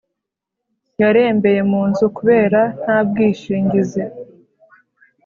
Yarembeye munzu kubera ntabwishingizi